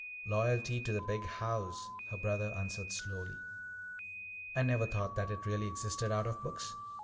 '" "Loyalty to the Big House," her brother answered slowly. "I never thought that it really existed out of books."